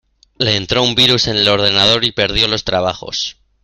Le entró un virus en el ordenador y perdió los trabajos.